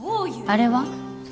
あれは？